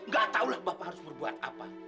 gak tau lah bapak harus berbuat apa